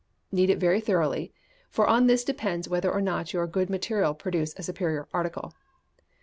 Knead it very thoroughly, for on this depends whether or not your good materials produce a superior article.